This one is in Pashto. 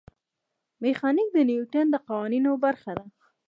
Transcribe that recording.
میخانیک د نیوټن د قوانینو برخه ده.